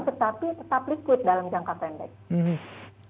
tetapi tetap liquid dalam jangka pendek